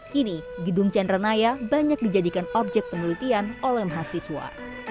kini gedung chandranaya banyak dijadikan objek penelitian oleh mahasiswa